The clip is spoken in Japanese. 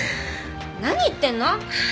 何言ってんの？